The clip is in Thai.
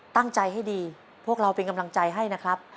ตั้งใจให้ดีพวกเราเป็นกำลังใจให้นะครับ